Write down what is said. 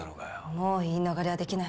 もう言い逃れはできない。